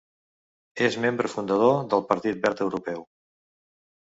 És membre fundador del Partit Verd Europeu.